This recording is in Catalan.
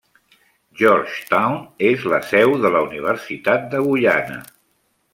Georgetown és la seu de la Universitat de Guyana.